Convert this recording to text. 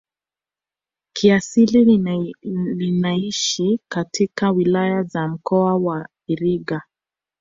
Kiasili linaishi katika wilaya za mkoa wa Iringa